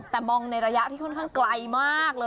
แต่มองในระยะที่ค่อนข้างไกลมากเลย